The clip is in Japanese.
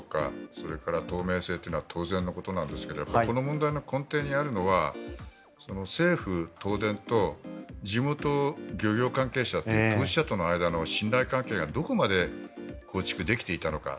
それから透明性というのは当然のことなんですがこの問題の根底にあるのは政府、東電と地元漁業関係者という当事者との間の信頼関係がどこまで構築できていたのか。